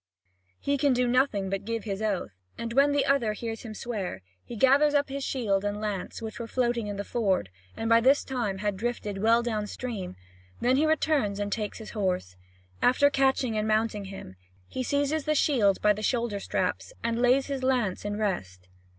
He can do nothing but give his oath; and when the other hears him swear, he gathers up his shield and lance which were floating in the ford and by this time had drifted well down stream; then he returns and takes his horse. After catching and mounting him, he seizes the shield by the shoulder straps and lays his lance in rest.